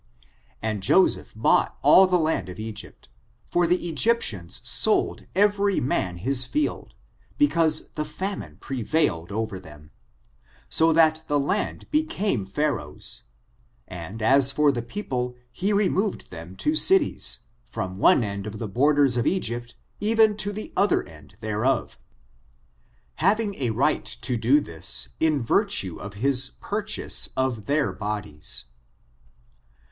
And Joseph bought all the land of Egypt, for the Egyptians sold every man his field, because the famine }»revailed over them, so that the land became Pharaoh's ; and as for the people, he removed them to cities^ from one end of the borders of Egypt even to the other end lb«reof,^ having a right to do this in virtue of his jmrduise of their bodies.